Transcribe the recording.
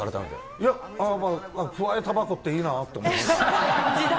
いや、まあ、くわえたばこっていいなと思いました。